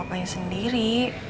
sama papanya sendiri